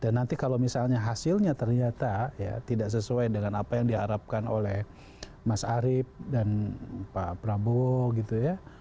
dan nanti kalau misalnya hasilnya ternyata tidak sesuai dengan apa yang diharapkan oleh mas arief dan pak prabowo gitu ya